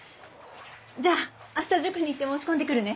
じゃあ明日塾に行って申し込んで来るね。